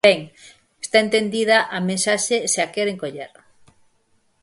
Ben, está entendida a mensaxe se a queren coller.